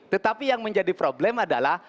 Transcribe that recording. tetapi yang menjadi problem adalah